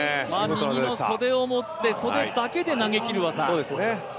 右の袖を持って、袖だけで投げきる技。